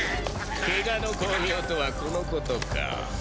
怪我の功名とはこのことか。